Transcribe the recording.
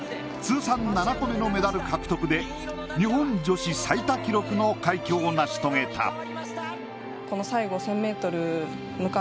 通算７個目のメダル獲得で日本女子最多記録の快挙を成し遂げた。